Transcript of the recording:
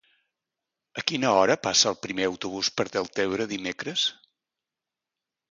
A quina hora passa el primer autobús per Deltebre dimecres?